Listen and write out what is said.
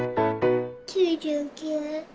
９９。